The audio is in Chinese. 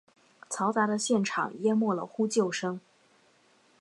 嘈杂的现场淹没了呼救声。